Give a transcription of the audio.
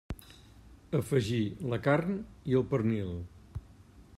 Afegir la carn i el pernil.